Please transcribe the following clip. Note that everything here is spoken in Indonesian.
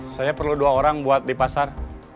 saya perlu dua orang buat di pasar